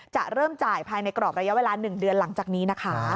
จะเริ่มจ่ายภายในกรอบระยะเวลา๑เดือนหลังจากนี้นะคะ